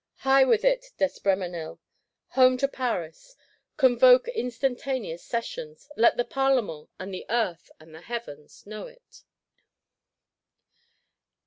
Hie with it, D'Espréménil, home to Paris; convoke instantaneous Sessions; let the Parlement, and the Earth, and the Heavens know it.